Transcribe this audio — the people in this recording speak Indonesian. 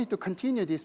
jadi kami ingin lanjutkan